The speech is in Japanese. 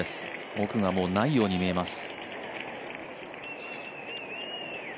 奥がもうないように見えます。